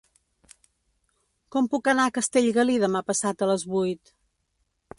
Com puc anar a Castellgalí demà passat a les vuit?